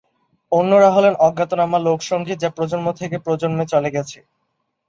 অন্যরা হলেন অজ্ঞাতনামা লোকসঙ্গীত যা প্রজন্ম থেকে প্রজন্মে চলে গেছে।